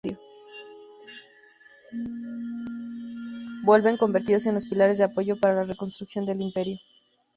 Vuelven convertidos en los pilares de apoyo para la reconstrucción del imperio.